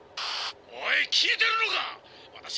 「おい聞いてるのか！